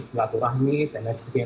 selatu rahmi dan lain sebagainya